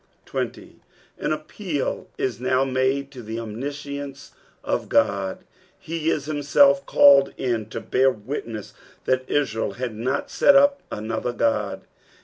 20. An appeal is now made tu the omniscience of God ; he is himself called in ti) bear witness that Israel had not set up another Ood.